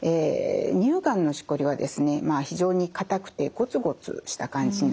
乳がんのしこりはですねまあ非常にかたくてゴツゴツした感じになります。